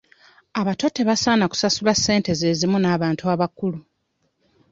Abato tebasaana kusasula ssente ze zimu n'abantu abakulu.